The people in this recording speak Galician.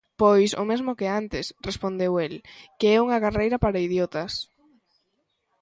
"Pois o mesmo que antes", respondeu el, "que é unha carreira para idiotas".